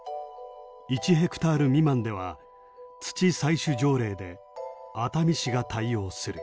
１ヘクタール未満では土採取条例で熱海市が対応する。